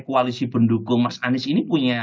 koalisi pendukung mas anies ini punya